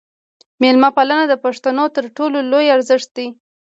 میلمه پالنه د پښتنو تر ټولو لوی ارزښت دی.